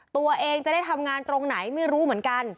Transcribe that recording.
ตัวเองจะได้ทำงานตรงไหนไม่รู้เหมือนกัน